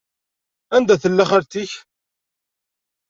Anda tella xalti-k?